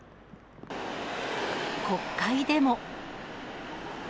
国会でも。